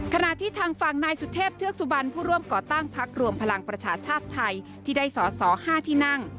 ขณะที่ทางฝั่งนายสุเทพเทือกสุบันผู้ร่วมก่อตั้งพักรวมพลังประชาชาติไทยที่ได้สอสอ๕ที่นั่ง